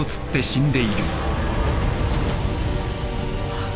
あっ！？